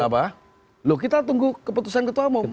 apa loh kita tunggu keputusan ketua umum